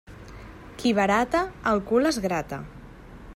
Qui barata, el cul es grata.